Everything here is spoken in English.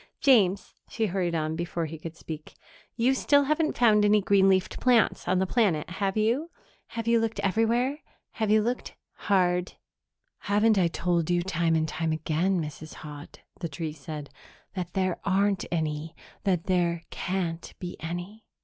James," she hurried on, before he could speak, "you still haven't found any green leafed plants on the planet, have you? Have you looked everywhere? Have you looked hard?" "Haven't I told you time and time again, Mrs. Haut," the tree said, "that there aren't any that there can't be any?